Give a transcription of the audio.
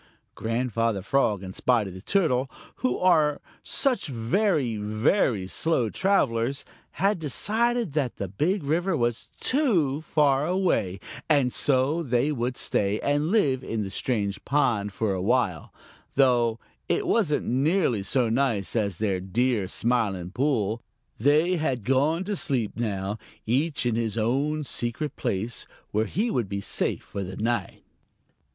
Grandfather Frog and Spotty the Turtle, who are such very, very slow travelers, had decided that the Big River was too far away, and so they would stay and live in the strange pond for a while, though it wasn't nearly so nice as their dear Smiling Pool. They bad gone to sleep now, each in his own secret place where he would be safe for the night.